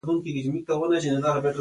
بدوعا: سر دې وخرېيل شه!